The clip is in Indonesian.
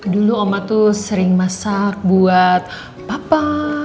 dulu oma tuh sering masak buat apa